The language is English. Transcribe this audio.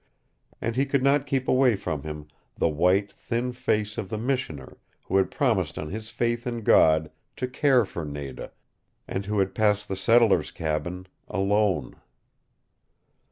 And he could not keep away from him the white, thin face of the Missioner, who had promised on his faith In God to care for Nada, and who had passed the settler's cabin ALONE.